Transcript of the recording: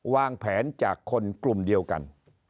วางแผนจากคนกลุ่มเดียวกัน